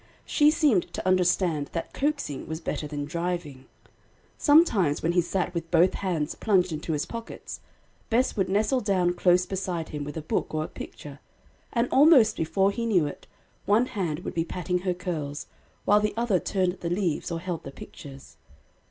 She seemed to understand that coaxing was better than driving. Sometimes when he sat with both hands plunged into his pockets, Bess would nestle down close beside him, with a book or a picture, and almost before he knew it, one hand would be patting her curls, while the other turned the leaves or held the pictures.